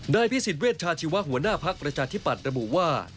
พิสิทธิเวชชาชีวะหัวหน้าภักดิ์ประชาธิปัตย์ระบุว่า